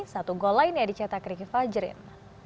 satu gol lainnya dicetak riki fajrin